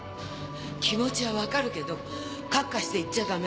気持ちはわかるけどカッカして行っちゃ駄目。